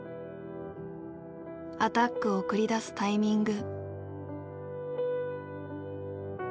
アタックを繰り出すタイミング。